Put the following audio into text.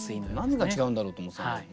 何が違うんだろうと思ってたんだけど。